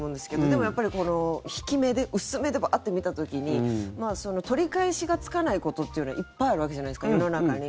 でもやっぱり、引き目で薄目でバーッと見た時に取り返しがつかないことっていうのはいっぱいあるわけじゃないですか世の中に。